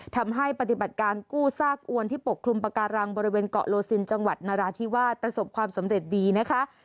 ทำให้ปฏิบัติการกู้ซากอวนที่ปกคลุมปาการังบริเวณเกาะโลซินจังหวัดนราธิวาสประสบความสำเร็จดีนะคะ